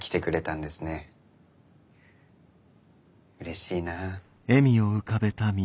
うれしいなあ。